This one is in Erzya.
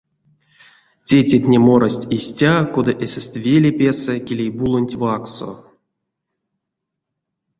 Тейтертне морасть истя, кода эсест веле песэ килейбулонть вакссо.